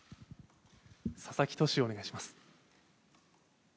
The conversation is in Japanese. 佐々木投手、お願いします。